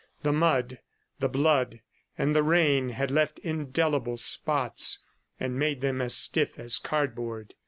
The mud, the blood and the rain had left indelible spots and made them as stiff as cardboard.